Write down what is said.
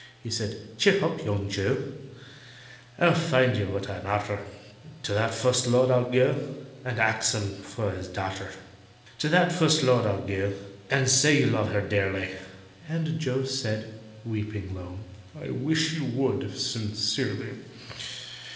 Says he, "Cheer hup, young JOE! I'll tell you what I'm arter— To that Fust Lord I'll go And ax him for his darter. "To that Fust Lord I'll go And say you love her dearly." And JOE said (weeping low), "I wish you would, sincerely!"